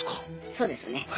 そうですね。